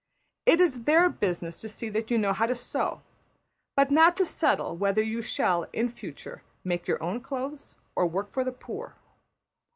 It is their business to see that you know how to sew; but not to settle whether you shall, in future, make your own clothes or work for the poor.